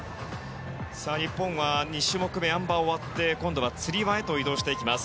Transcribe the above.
日本は２種目めのあん馬が終わって今度はつり輪へと移動していきます。